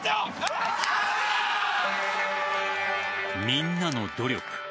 みんなの努力。